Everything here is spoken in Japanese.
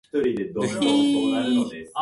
カーボベルデの首都はプライアである